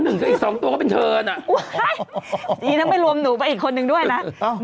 นึงถึงอีกสองตัวเพลินนะเนี่ยมารวมหนูพออีกคนนึงด้วยนะ